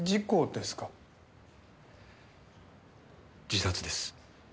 自殺です。